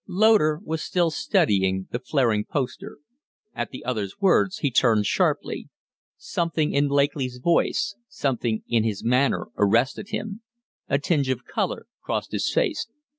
Loder was still studying the flaring poster. At the other's words he turned sharply. Something in Lakely's voice, something in his manner, arrested him. A tinge of color crossed his face.